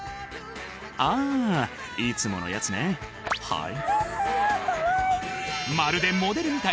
「ああいつものやつねはい」